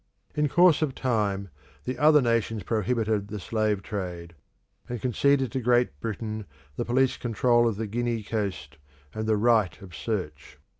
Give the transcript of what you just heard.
In course of time the other nations prohibited the slave trade, and conceded to Great Britain the police control of the Guinea coast, and the right of search.